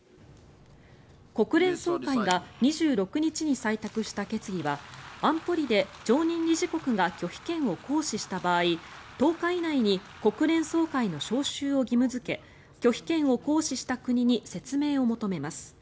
国連総会が２６日に採択した決議は安保理で常任理事国が拒否権を行使した場合１０日以内に国連総会の招集を義務付け拒否権を行使した国に説明を求めます。